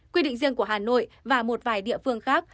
quy định riêng của hà nội và một vài địa phương khác